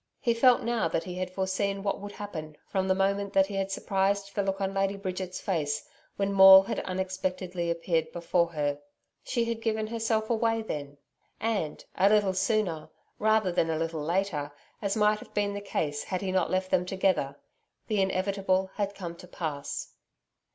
He felt now that he had foreseen what would happen, from the moment that he had surprised the look on Lady Bridget's face, when Maule had unexpectedly appeared before her. She had given herself away then. And, a little sooner, rather than a little later as might have been the case had he not left them together the inevitable had come to pass.